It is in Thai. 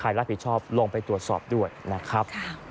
รับผิดชอบลงไปตรวจสอบด้วยนะครับ